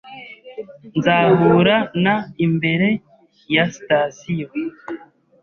Nzahura na imbere ya sitasiyo